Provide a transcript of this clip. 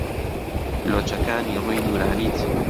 لۆچەکانی ڕووی نوورانیت